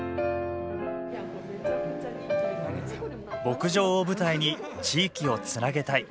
牧場を舞台に地域をつなげたい。